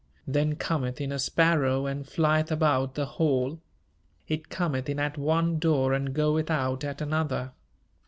Then cometh in a sparrow and flieth about the hall. It cometh in at one door and goeth out at another.